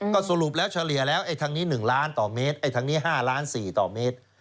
ก็สรุปแล้วเฉลี่ยแล้วไอ้ทางนี้๑ล้านต่อเมตรทางนี้๕ล้าน๔ต่อเมตร